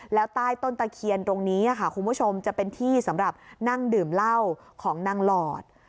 แล้วใต้ต้นตะเคียนตรงนี้ค่ะคุณผู้ชมจะเป็นที่สำหรับนั่งดื่มเหล้าของนางหลอด